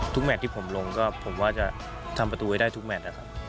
แมทที่ผมลงก็ผมว่าจะทำประตูไว้ได้ทุกแมทนะครับ